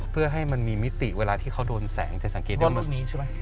เพื่อให้มันมีมิติเวลาที่เขาโดนแสงจะสังเกตได้ว่า